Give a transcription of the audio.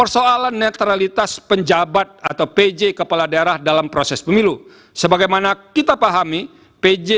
persoalan netralitas penjabat atau pj kepala daerah dalam proses pemilu sebagaimana kita pahami pj